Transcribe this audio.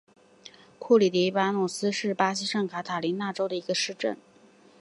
库里蒂巴努斯是巴西圣卡塔琳娜州的一个市镇。